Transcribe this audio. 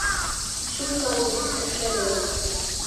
Шул саҡ ул бик тертләгәйне.